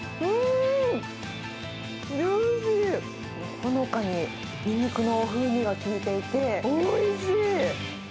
ほのかにニンニクの風味が効いていて、おいしい。